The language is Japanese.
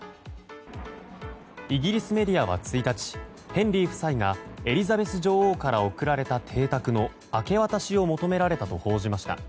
イギリスメディアは１日ヘンリー王子がエリザベス女王から贈られた邸宅の明け渡しを求められたと報じました。